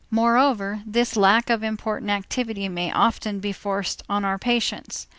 Moreover this lack of important activity may often be forced on our patients.